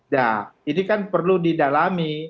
nah ini kan perlu didalami